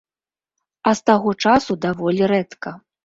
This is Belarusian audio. А з таго часу даволі рэдка.